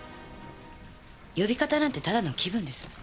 呼び方なんてただの気分です。